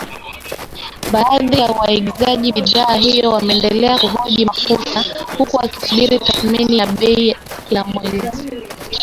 Baadhi ya waagizaji bidhaa hiyo wameendelea kuhoji mafuta, huku wakisubiri tathmini ya bei kila mwezi.